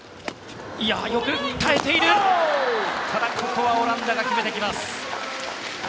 ここはオランダが決めてきます。